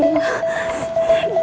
ya allah mudah mudahan